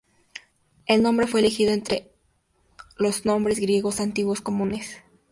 El nombre fue elegido de entre los nombres griegos antiguos comunes.